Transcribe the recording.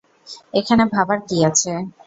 এখানে ভাবার কি আছে?